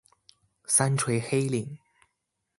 三陲黑岭。